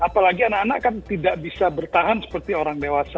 apalagi anak anak kan tidak bisa bertahan seperti orang dewasa